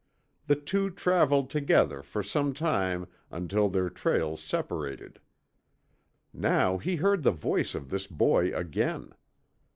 The two traveled together for some time until their trails separated. Now he heard the voice of this boy again.